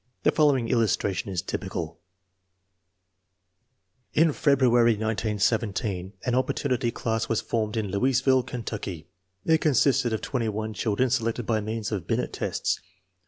The following illustration is typical : In February, 1917, an opportunity class was formed in Louisville, Kentucky. It consisted of 21 children selected by means of Binet tests.